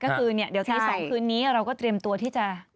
ก็คือเดี๋ยวตี๒คืนนี้เราก็เตรียมตัวที่จะ